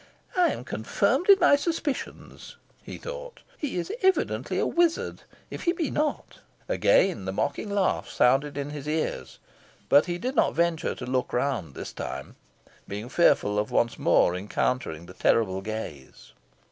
"I am confirmed in my suspicions," he thought; "he is evidently a wizard, if he be not " Again the mocking laugh sounded in his ears, but he did not venture to look round this time, being fearful of once more encountering the terrible gaze.